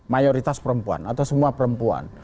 mayoritas perempuan atau semua perempuan